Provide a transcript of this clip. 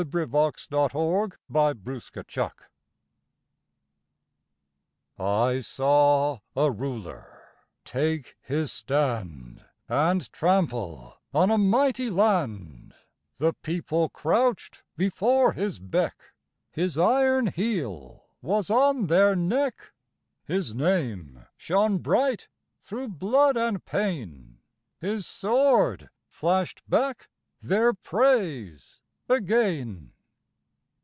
VERSE: THE THREE RULERS I saw a Ruler take his stand And trample on a mighty land; The People crouched before his beck, His iron heel was on their neck, His name shone bright through blood and pain, His sword flashed back their praise again.